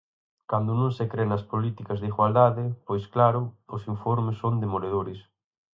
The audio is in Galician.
Cando non se cre nas políticas de igualdade, pois claro, os informes son demoledores.